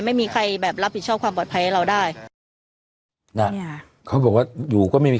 ไม่มีใครแบบรับผิดชอบความปลอดภัยให้เราได้นะเนี่ยเขาบอกว่าอยู่ก็ไม่มี